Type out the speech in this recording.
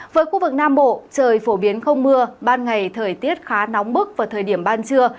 với khu vực nam bộ trời phổ biến không mưa ban ngày thời tiết khá nóng bức vào thời điểm ban trưa